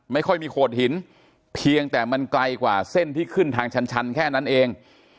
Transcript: ไม่ค่อยมีโขดหินเพียงแต่มันไกลกว่าเส้นที่ขึ้นทางชันแค่นั้นเอง